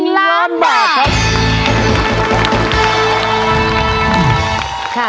๑ล้านบาทครับ